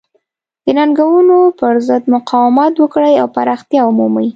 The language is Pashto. د ننګونو پرضد مقاومت وکړي او پراختیا ومومي.